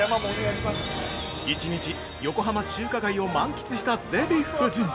◆１日、横浜中華街を満喫したデヴィ夫人。